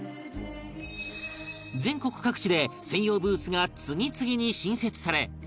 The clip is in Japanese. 全国各地で専用ブースが次々に新設され